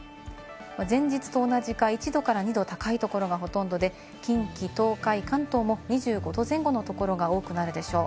前日と同じか、１度から２度高いところがほとんどで、近畿、東海、関東も２５度前後のところが多くなるでしょう。